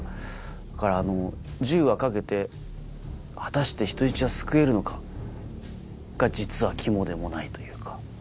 だから１０話かけて果たして人質は救えるのかが実は肝でもないというか。